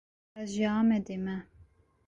Ez ji Amedê me.